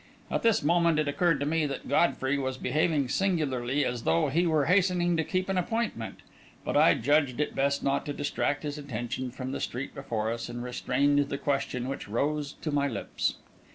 At this moment, it occurred to me that Godfrey was behaving singularly as though he were hastening to keep an appointment; but I judged it best not to distract his attention from the street before us, and restrained the question which rose to my lips.